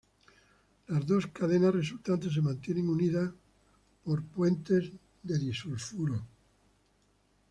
Las dos cadenas resultantes se mantienen unidas por puentes de disulfuro.